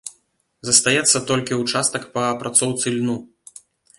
Застаецца толькі ўчастак па апрацоўцы льну.